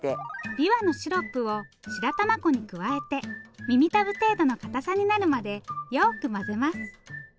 びわのシロップを白玉粉に加えて耳たぶ程度のかたさになるまでよく混ぜます。